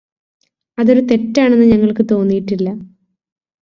അതൊരു തെറ്റാണെന്ന് ഞങ്ങള്ക്ക് തോന്നിയിട്ടില്ല